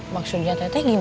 maksudnya tete gimana